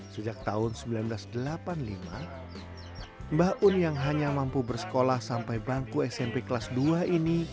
sejak tahun seribu sembilan ratus delapan puluh lima mbah un yang hanya mampu bersekolah sampai bangku smp kelas dua ini